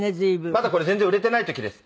まだこれ全然売れてない時です。